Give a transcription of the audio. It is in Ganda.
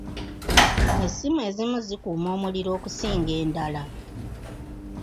Essimu ezimu zikuuma omuliro okusinga endala.